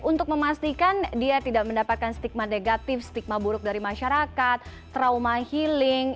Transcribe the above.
untuk memastikan dia tidak mendapatkan stigma negatif stigma buruk dari masyarakat trauma healing